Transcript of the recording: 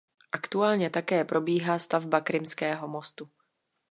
Aktuálně také probíhá stavba Krymského mostu.